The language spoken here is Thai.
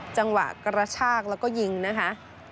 จังหวะกระชากแล้วก็ยิงนะคะ